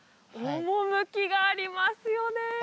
趣がありますよね